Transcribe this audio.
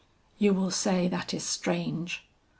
"You will say that is strange.